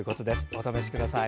お試しください。